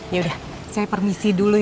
yaudah saya permisi dulu ya